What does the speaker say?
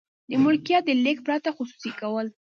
د ملکیت د لیږد پرته خصوصي کول.